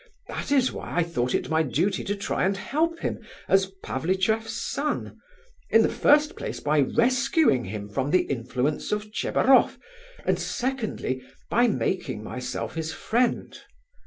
That is why I thought it my duty to try and help him as 'Pavlicheff's son'; in the first place by rescuing him from the influence of Tchebaroff, and secondly by making myself his friend.